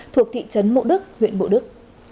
thuộc thị trấn mộ đức huyện mộ đức